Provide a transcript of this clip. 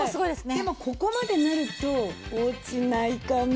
でもここまでなると落ちないかな。